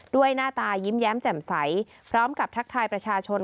หน้าตายิ้มแย้มแจ่มใสพร้อมกับทักทายประชาชน